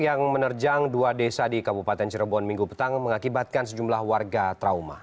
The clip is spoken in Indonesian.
yang menerjang dua desa di kabupaten cirebon minggu petang mengakibatkan sejumlah warga trauma